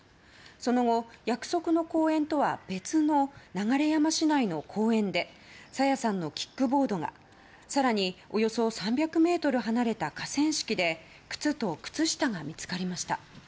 その後、約束の公園とは別の流山市内の公園で朝芽さんのキックボードが更におよそ３００ｍ離れた河川敷で靴と靴下が見つかりました。